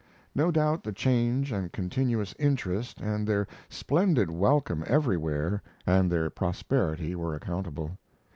No doubt the change and continuous interest and their splendid welcome everywhere and their prosperity were accountable.